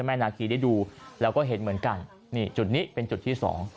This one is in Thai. โดยเทปหน้าขีได้ดูแล้วก็เห็นเหมือนกันจุดนี้เป็นจุดที่๒